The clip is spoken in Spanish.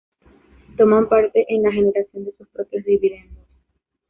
Toman parte en la generación de sus propios dividendos.